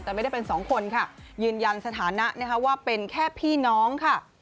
แต่ไม่ได้เป็นสองคนค่ะยืนยันสถานะนะคะว่าเป็นแค่พี่น้องค่ะ